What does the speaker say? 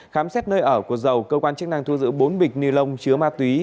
khám xét nơi ở của dầu cơ quan chức năng thu giữ bốn bịch ni lông chứa ma túy